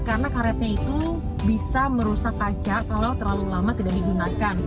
karena karetnya itu bisa merusak kaca kalau terlalu lama tidak digunakan